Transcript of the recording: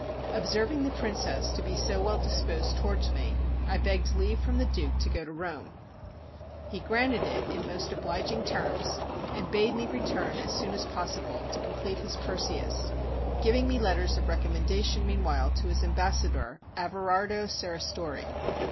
Observing the Princess to be so well disposed towards me, I begged leave from the Duke to go to Rome. He granted it in most obliging terms, and bade me return as soon as possible to complete his Perseus; giving me letters of recommendation meanwhile to his ambassador, Averardo Serristori.